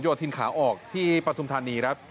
โยทินขาออกที่ประทุมธรรมนี้